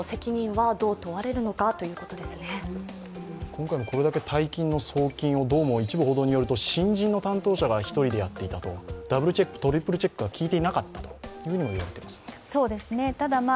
今回もこれだけ大金の送金をどうも一部報道によると、新人の担当者が一人でやっていた、ダブルチェック、トリプルチェックが効いていなかったとも言われています。